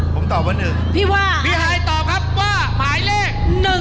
ผมตอบว่า๑พี่ว่าพี่ฮายตอบครับว่าหมายเลข๑๒